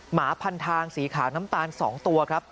หมาพันทางสีขาวน้ำตาล๒ตัวครับ